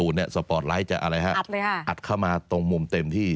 เนี่ยสปอร์ตไลท์จะอะไรฮะอัดเข้ามาตรงมุมเต็มที่